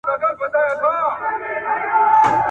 د غونډیو لوړي څوکي او جګ غرونه !.